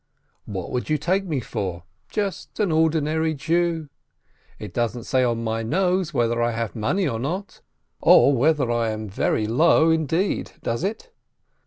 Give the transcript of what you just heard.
What would you take me for? Just an ordinary Jew. It doesn't say on my nose whether I have money, or not, or whether I am very low indeed, does it?